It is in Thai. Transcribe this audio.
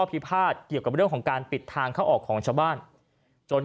พิพาทเกี่ยวกับเรื่องของการปิดทางเข้าออกของชาวบ้านจน